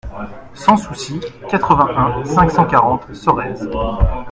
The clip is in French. Sans Souci, quatre-vingt-un, cinq cent quarante Sorèze